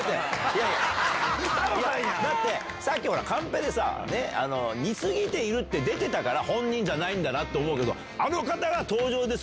だってさっきカンペでさ「似すぎている」って出てたから本人じゃないんだって思うけど「あの方が登場です」